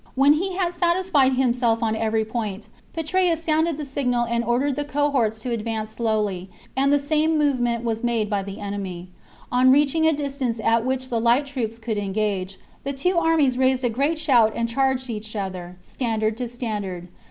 When he had satisfied himself on every point, chap Petreius sounded the signal and ordered the cohorts to advance slowly, and the same movement was made by the enemy. On reaching a distance at which the light troops could engage, the two armies raised a great shout and charged each other, standard to stan dard.